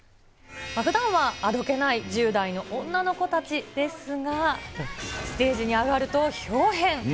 ふだんはあどけない１０代の女の子たちですが、ステージに上がるとひょう変。